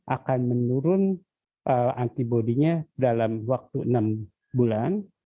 akan menurun antibody nya dalam waktu enam bulan